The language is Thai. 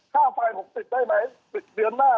ค่าไฟผมติดได้ไหมติดเดือนหน้าได้ไหม